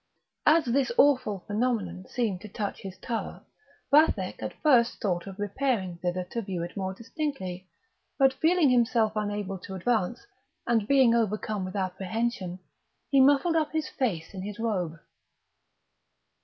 As this awful phenomenon seemed to touch his tower, Vathek at first thought of re pairing thither to view it more distinctly, but feeling himself unable to advance, and being overcome with apprehension, he muffled up his face in his robe.